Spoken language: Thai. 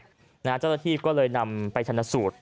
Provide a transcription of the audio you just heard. เจ้าหน้าที่ก็เลยนำไปชนสูตร